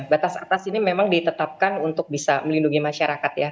batas atas ini memang ditetapkan untuk bisa melindungi masyarakat ya